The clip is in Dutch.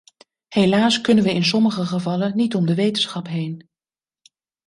Helaas kunnen we in sommige gevallen niet om de wetenschap heen.